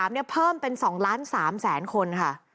๒๐๒๓เนี่ยเพิ่มเป็น๒๓ล้านคนค่ะ